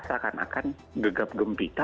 akan akan gegap gempita